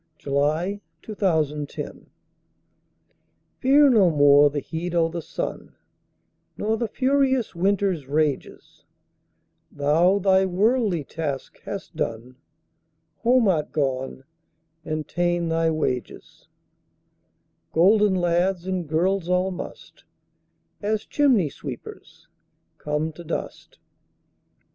William Shakespeare XLV. Fidele FEAR no more the heat o' the sunNor the furious winter's rages; Thou thy worldly task hast done, Home art gone and ta'en thy wages:Golden lads and girls all must, As chimney sweepers, come to dust.